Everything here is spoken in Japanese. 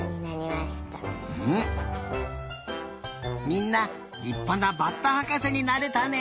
みんなりっぱなバッタはかせになれたね！